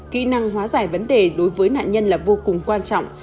kỹ năng hóa giải vấn đề đối với nạn nhân là vô cùng quan trọng